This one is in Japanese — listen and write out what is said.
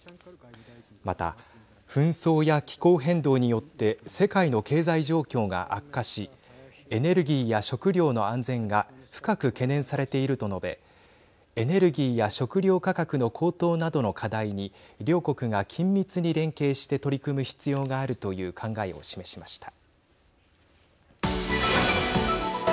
また、紛争や気候変動によって世界の経済状況が悪化しエネルギーや食料の安全が深く懸念されていると述べエネルギーや食料価格の高騰などの課題に両国が緊密に連携して取り組む必要があるという考えを示しました。